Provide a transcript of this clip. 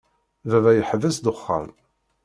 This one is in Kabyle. Baba yeḥbes ddexxan.